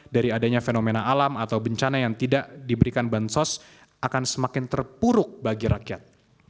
dari adanya fenomena alam atau bencana yang tidak diberikan bansos akan semakin terpuruk bagi rakyat